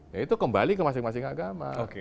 ya itu kembali ke masing masing agama